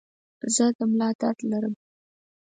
زه د ملا درد لرم.